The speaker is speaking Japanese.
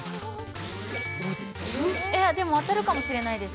当たるかもしれないです。